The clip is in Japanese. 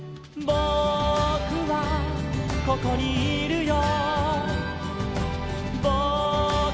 「ぼくはここにいるよ」